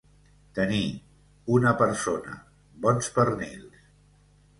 Tenir, una persona, bons pernils.